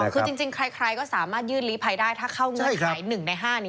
คือจริงใครก็สามารถยื่นลีภัยได้ถ้าเข้าเงื่อนไข๑ใน๕นี้